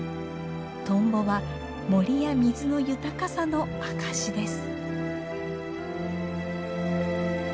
トンボは森や水の豊かさの証しです。